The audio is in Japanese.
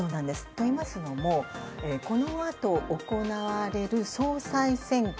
といいますのもこのあと行われる総裁選挙